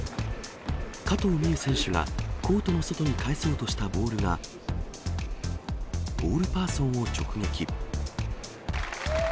加藤未唯選手がコートの外に返そうとしたボールが、ボールパーソンを直撃。